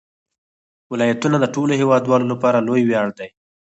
ولایتونه د ټولو هیوادوالو لپاره لوی ویاړ دی.